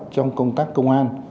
trong công tác công an